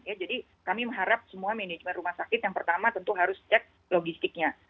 ya jadi kami mengharap semua manajemen rumah sakit yang pertama tentu harus cek logistiknya